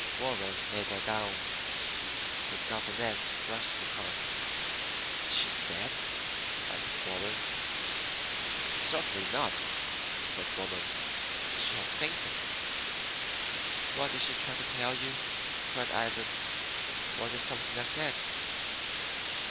Warren laid her down, and the governess rushed to her. "Is she dead?" asked Warren. "Certainly not," said the woman; "she has fainted." "What did she try to tell you?" cried Ivan. "Was it something I said?"